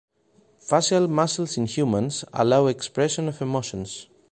Facial muscles in humans allow expression of emotions.